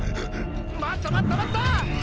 待った待った待った！